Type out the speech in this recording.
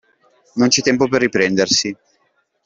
Non c'è tempo per riprendersi.